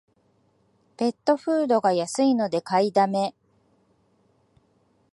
ペットフードが安いので買いだめ